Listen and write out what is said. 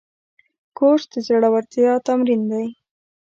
کورس د زړورتیا تمرین دی.